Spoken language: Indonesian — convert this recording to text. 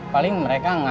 paling mereka enggak